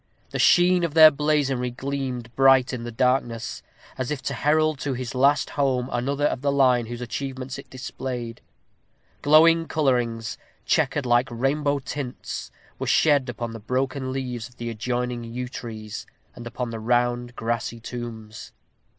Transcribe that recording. The sheen of their blazonry gleamed bright in the darkness, as if to herald to his last home another of the line whose achievements it displayed. Glowing colorings, checkered like rainbow tints, were shed upon the broken leaves of the adjoining yew trees, and upon the rounded grassy tombs.